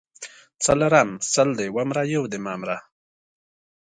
څلرم:سل دي ومره یو دي مه مره